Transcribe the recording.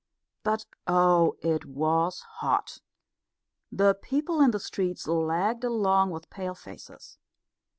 But oh, it was hot! The people in the streets lagged along with pale faces.